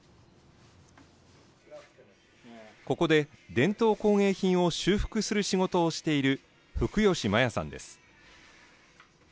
ここで伝統工芸品を修復する仕事をしている福吉麻弥さんです。